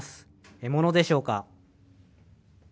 獲物でしょうか。